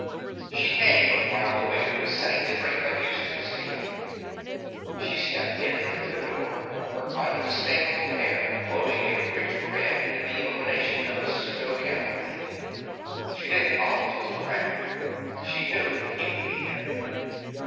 She came while the waiter was setting the drink on Houston's table. She stepped in through the door, her unmistakable hair glowing a rich red in the illumination of the pseudo candlelight. She didn't bother to look around; she knew he would be there.